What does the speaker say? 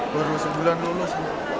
baru sebulan lulus